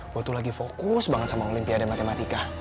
gue tuh lagi fokus banget sama olimpiade matematika